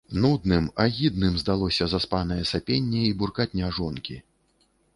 Нудным, агідным здалося заспанае сапенне і буркатня жонкі.